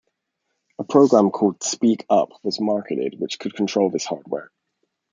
A program called "S.peek.uP" was marketed which could control this hardware.